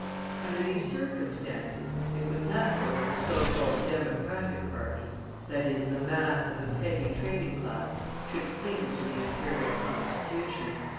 Under these circumstances it was natural that the so called Democratic party, that is, the mass of the petty trading class, should cling to the Imperial Constitution.